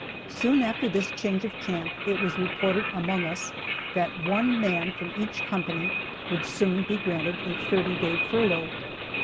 Soon after this change of camp it was reported among us that one man from each company would soon be granted a thirty day furlough.